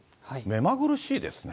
目まぐるしいですね。